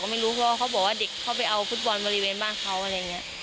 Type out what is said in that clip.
ไม่รู้เพราะว่าเขาบอกว่าเด็กเข้าไปเอาฟุตบอลบริเวณบ้านเขาอะไรอย่างนี้